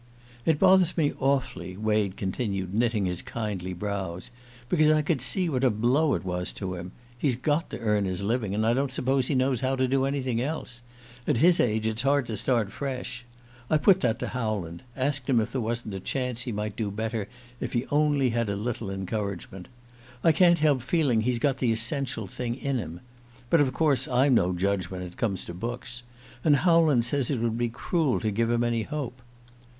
"It bothers me awfully," Wade continued, knitting his kindly brows, "because I could see what a blow it was to him. He's got to earn his living, and I don't suppose he knows how to do anything else. At his age it's hard to start fresh. I put that to Howland asked him if there wasn't a chance he might do better if he only had a little encouragement. I can't help feeling he's got the essential thing in him. But of course I'm no judge when it comes to books. And Howland says it would be cruel to give him any hope."